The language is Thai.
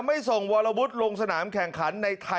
เริ่มสายก็ร้อน